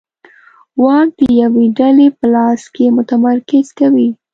واک د یوې ډلې په لاس کې متمرکز کوي